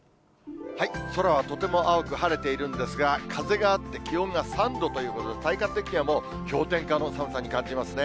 空はとても青く晴れているんですが、風があって、気温が３度ということで、体感的にはもう氷点下の寒さに感じますね。